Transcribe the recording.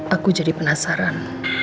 aku jadi penasaran